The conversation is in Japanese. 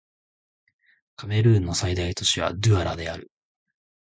カメルーンの最大都市はドゥアラである